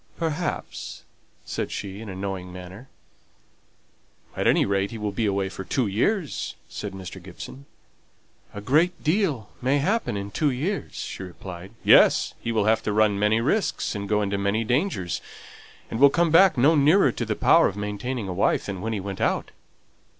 "Perhaps," said she, in a knowing manner. "At any rate he will be away for two years," said Mr. Gibson. "A great deal may happen in two years," she replied. "Yes! he will have to run many risks, and go into many dangers, and will come back no nearer to the power of maintaining a wife than when he went out."